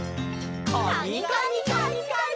カニカニカニカニ。